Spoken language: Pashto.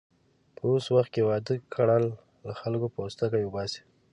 په اوس وخت کې واده کړل، له خلکو پوستکی اوباسي.